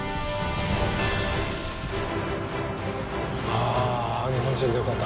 あ日本人でよかった。